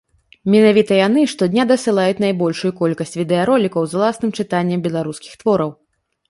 Менавіта яны штодня дасылаюць найбольшую колькасць відэаролікаў з уласным чытаннем беларускіх твораў.